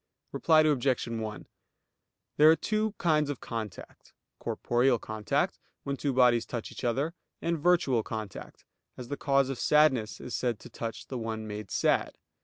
Reply Obj. 1: There are two kinds of contact; corporeal contact, when two bodies touch each other; and virtual contact, as the cause of sadness is said to touch the one made sad.